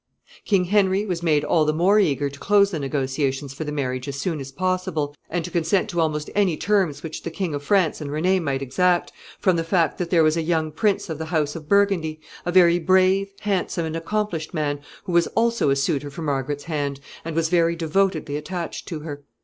] King Henry was made all the more eager to close the negotiations for the marriage as soon as possible, and to consent to almost any terms which the King of France and René might exact, from the fact that there was a young prince of the house of Burgundy a very brave, handsome, and accomplished man who was also a suitor for Margaret's hand, and was very devotedly attached to her.